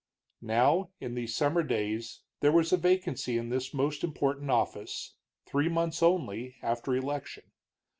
Now, in these summer days, there was a vacancy in this most important office, three months, only, after election.